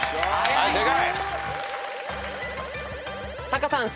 はい正解。